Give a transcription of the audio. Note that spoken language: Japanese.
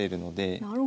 なるほど。